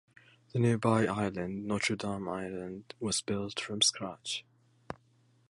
The nearby island, Notre Dame Island, was built from scratch.